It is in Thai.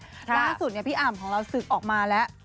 ล่าสุดพี่อ่ำของเราศึกออกมาแล้ว